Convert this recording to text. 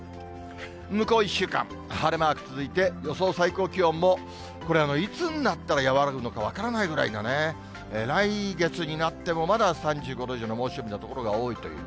向こう１週間、晴れマーク続いて、予想最高気温もこれ、いつになったら和らぐのか分からないぐらいのね、来月になってもまだ３５度以上の猛暑日の所が多いという。